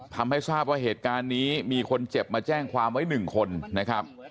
ทำให้ทราบว่าเหตุการณ์นี้มีคนเจ็บมาแจ้งความไว้๑คนนะครับ